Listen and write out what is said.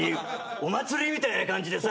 お祭りみたいな感じでさ。